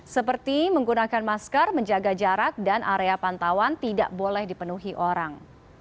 seperti menggunakan masker menjaga jarak dan area pantauan tidak boleh dipenuhi orang